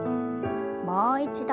もう一度。